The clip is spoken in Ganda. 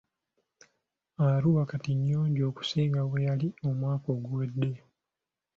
Arua kati nnyonjo okusinga bwe yali omwaka oguwedde.